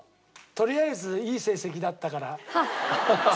とりあえずいい成績だったから続けたい。